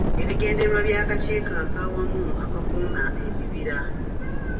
Ebigendererwa by'Akakiiko ak'Awamu Akakuuma Ebibira.